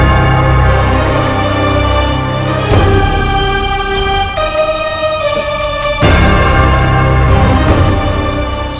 kau tidak akan menemukan aku